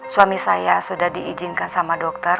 suami saya sudah diizinkan sama dokter